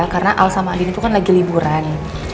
karena al sama adin itu kan lagi liburan